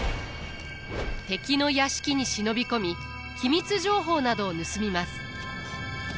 敵の屋敷に忍び込み機密情報などを盗みます。